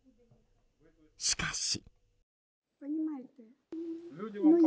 しかし。